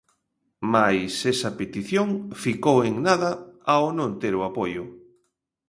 Mais esa petición ficou en nada ao non ter o apoio.